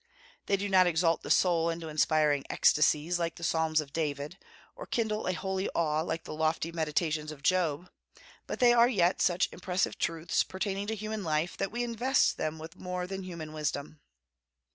They do not exalt the soul into inspiring ecstasies like the psalms of David, or kindle a holy awe like the lofty meditations of Job; but they are yet such impressive truths pertaining to human life that we invest them with more than human wisdom.